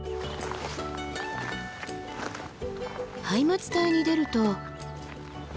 ハイマツ帯に出ると。